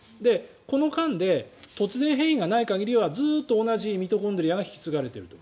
この間で突然変異がない限りはずーっと同じミトコンドリアが引き継がれていると。